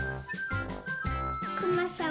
くまさん